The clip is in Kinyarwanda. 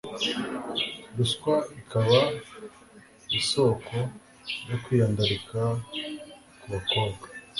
Ruswa ikaba isoko yo kwiyandarika ku bakobwa.